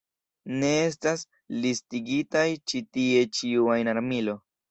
Ne estas listigitaj ĉi tie ĉiu ajn armilo.